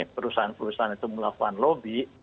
perusahaan perusahaan itu melakukan lobby